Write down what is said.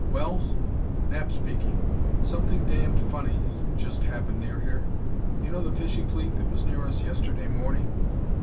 "Wells? Knapp speaking. Something damned funny's just happened near here. You know the fishing fleet that was near us yesterday morning?"